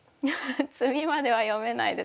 詰みまでは読めないです。